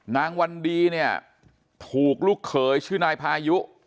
วันดีเนี่ยถูกลูกเขยชื่อนายพายุ